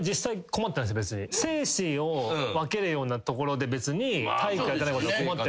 生死を分けるようなところで別に体育やってないことで困ってないんで。